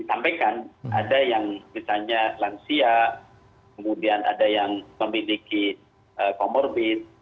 ada yang misalnya lansia kemudian ada yang memiliki komorbit